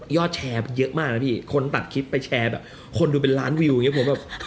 ยอดแชร์เยอะมากนะพี่คนตัดคลิปไปแชร์คนเป็นร้านวิว